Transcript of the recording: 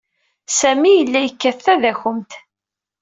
Sami yella yekkat tadakumt.